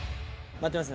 回ってます？